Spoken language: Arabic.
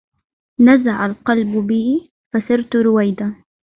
نزع القلب بي فسرت رويدا